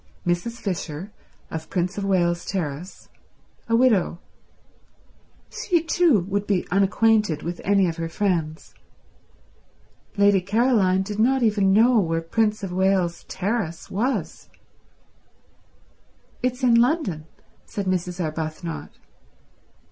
Mrs. Fisher, of Prince of Wales Terrace. A widow. She too would be unacquainted with any of her friends. Lady Caroline did not even know where Prince of Wales Terrace was. "It's in London," said Mrs. Arbuthnot.